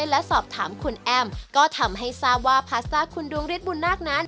และสอบถามคุณแอมก็ทำให้ทราบว่าพาสต้าคุณดวงฤทธบุญนาคนั้น